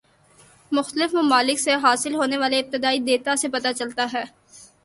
مختلف ممالک سے حاصل ہونے والے ابتدائی دیتا سے پتہ چلتا ہے